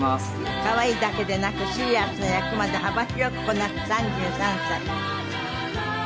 可愛いだけでなくシリアスな役まで幅広くこなす３３歳。